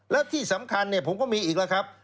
และที่สำคัญผมก็มีอีกแล้วครับ